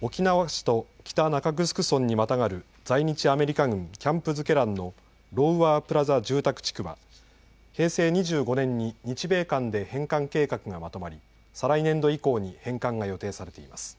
沖縄市と北中城村にまたがる在日アメリカ軍キャンプ瑞慶覧のロウワー・プラザ地区は平成２５年に日米間で返還計画がまとまり再来年度以降に返還が予定されています。